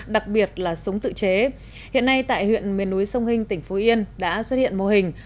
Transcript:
đặc biệt là súng tự chế hiện nay tại huyện miền núi sông hinh tỉnh phú yên đã xuất hiện mô hình